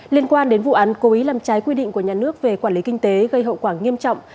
liên quan đến vụ án cố ý làm trái quy định của nhà nước về quản lý kinh tế gây hậu quả nghiêm trọng